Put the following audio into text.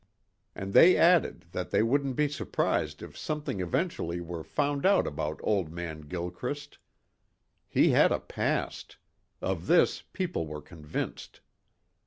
And they added that they wouldn't be surprised if something eventually were found out about old man Gilchrist. He had a past. Of this people were convinced.